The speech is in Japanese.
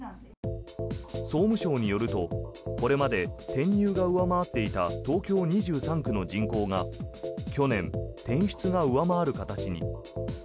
総務省によるとこれまで転入が上回っていた東京２３区の人口が去年、転出が上回る形に。